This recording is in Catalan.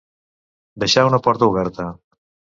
Deixar una porta oberta.